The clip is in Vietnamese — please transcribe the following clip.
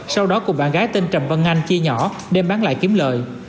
sau đó cùng bạn gái tên trầm vân anh chia nhỏ để bán lại kiếm lợi